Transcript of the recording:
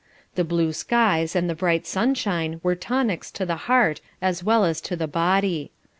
The blue skies and the bright sunshine were tonics to the heart as well as to the body.